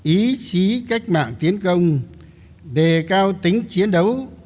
ý chí cách mạng tiến công đề cao tính chiến đấu